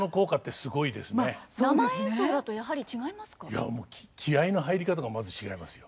いやもう気合いの入り方がまず違いますよ。